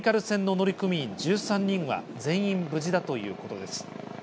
ケミカル船の乗組員１３人は全員無事だということです。